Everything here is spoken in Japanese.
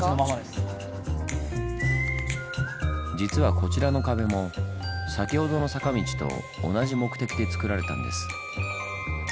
実はこちらの壁も先ほどの坂道と同じ目的でつくられたんです。